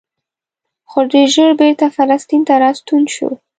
خو ډېر ژر بېرته فلسطین ته راستون شو.